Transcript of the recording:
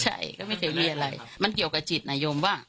ใช่ก็ไม่เคยมีอะไรมันเกี่ยวกับจิตนายมว่า